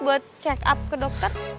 buat check up ke dokter